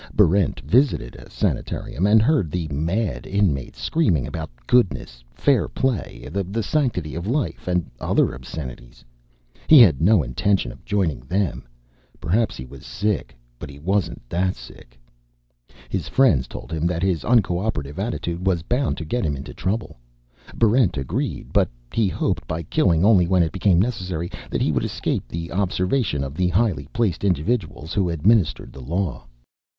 Barrent visited a sanitarium, and heard the mad inmates screaming about goodness, fair play, the sanctity of life, and other obscenities. He had no intention of joining them. Perhaps he was sick, but he wasn't that sick! His friends told him that his uncooperative attitude was bound to get him into trouble. Barrent agreed; but he hoped, by killing only when it became necessary, that he would escape the observation of the highly placed individuals who administered the law.